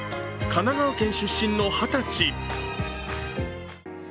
神奈川県出身の二十歳。